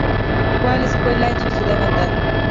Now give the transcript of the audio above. Fue a la escuela en su ciudad natal.